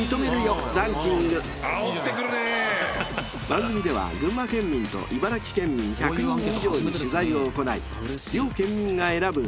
［番組では群馬県民と茨城県民１００人以上に取材を行い両県民が選ぶ